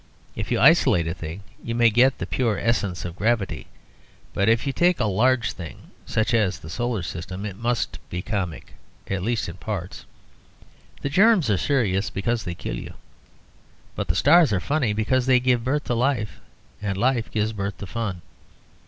If you isolate a thing, you may get the pure essence of gravity. But if you take a large thing (such as the Solar System) it must be comic, at least in parts. The germs are serious, because they kill you. But the stars are funny, because they give birth to life, and life gives birth to fun.